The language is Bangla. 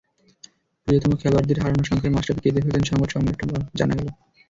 প্রিয়তম খেলোয়াড়দের হারানোর শঙ্কায় মাশরাফি কেঁদে ফেললেন সংবাদ সম্মেলনের পর, জানা গেল।